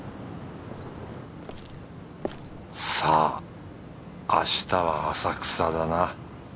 さぁ明日は浅草だな。